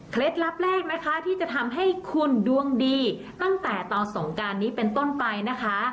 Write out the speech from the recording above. ลับแรกนะคะที่จะทำให้คุณดวงดีตั้งแต่ตอนสงการนี้เป็นต้นไปนะคะ